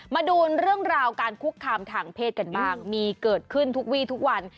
มาดูเรื่องราวการคุกคามทางเพศกันบ้างมีเกิดขึ้นทุกวีทุกวัน